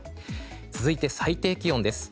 続いて最低気温です。